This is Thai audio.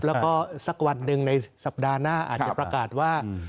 แล้วก็สักวันหนึ่งในสัปดาห์หน้าอาจจะประกาศว่า